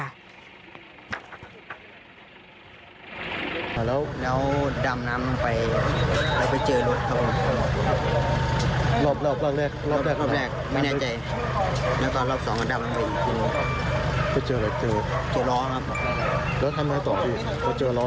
รอแล้วทำไมต่อแล้วก็ขึ้นมาแล้วเอาเอาออกพิสูจน์